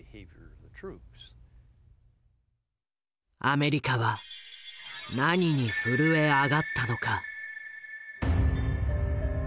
アメリカは何に震えあがったのか。